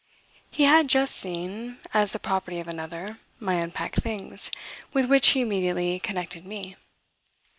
He had just seen, as the property of another, my unpacked things, with which he immediately connected me.